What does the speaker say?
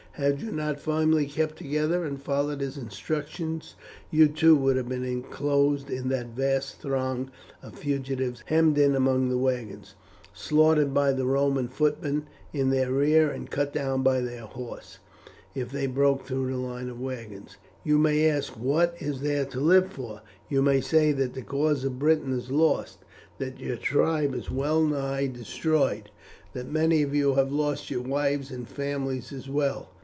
Had you not firmly kept together and followed his instructions you too would have been inclosed in that vast throng of fugitives hemmed in among the wagons, slaughtered by the Roman footmen in their rear and cut down by their horse if they broke through the line of wagons. You may ask what is there to live for; you may say that the cause of Britain is lost, that your tribe is well nigh destroyed, that many of you have lost your wives and families as well.